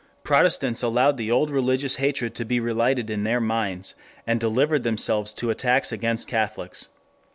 _ Protestants allowed the old religious hatred to be relighted in their minds and delivered themselves to attacks against Catholics.